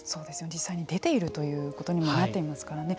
実際に出ているということにもなっていますからね。